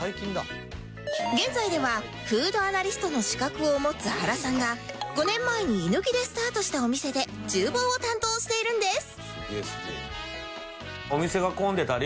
現在ではフードアナリストの資格を持つ原さんが５年前に居抜きでスタートしたお店で厨房を担当しているんです